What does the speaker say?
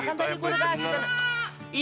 nah kan tadi gue udah kasih